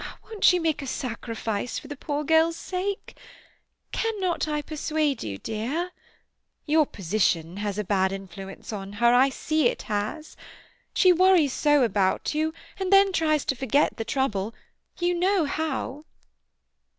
Won't you make a sacrifice for the poor girl's sake? Cannot I persuade you, dear? Your position has a bad influence on her; I can see it has. She worries so about you, and then tries to forget the trouble—you know how."